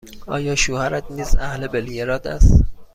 آیا شوهرت نیز اهل بلگراد است؟